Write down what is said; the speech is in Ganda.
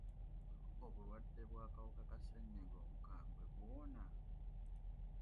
Obulwadde bw'akawuka ka ssenyiga omukambwe buwona?